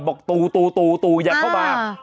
บอกตู่อย่าเข้ามา